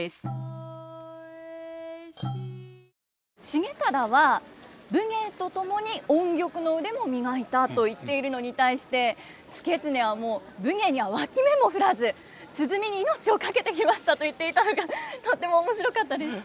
重忠は武芸と共に音曲の腕も磨いたと言っているのに対して祐経はもう武芸には脇目も振らず鼓に命を懸けてきましたと言っていたのがとっても面白かったです。